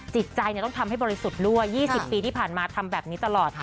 จิตใจต้องทำให้บริสุทธิ์รั่ว๒๐ปีที่ผ่านมาทำแบบนี้ตลอดค่ะ